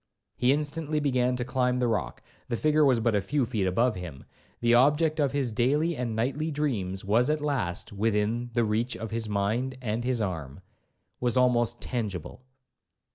He instantly began to climb the rock,—the figure was but a few feet above him,—the object of his daily and nightly dreams was at last within the reach of his mind and his arm,—was almost tangible.